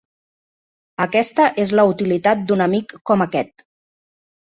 Aquesta és la utilitat d'un amic com aquest.